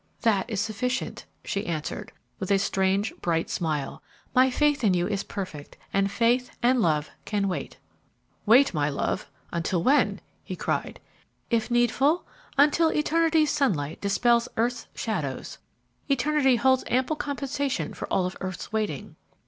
"That is sufficient," she answered, with a strange, bright smile; "my faith in you is perfect, and faith and love can wait." "Wait, my love! until when?" he cried. "If needful, until Eternity's sunlight dispels Earth's shadows! Eternity holds ample compensation for all of Earth's waiting."